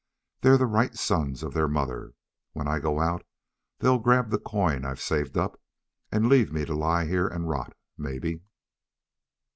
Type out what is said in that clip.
They're the right sons of their mother. When I go out they'll grab the coin I've saved up, and leave me to lie here and rot, maybe.